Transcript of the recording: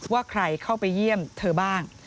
ว่าใครเข้าไปเยี่ยมเธอบ้าง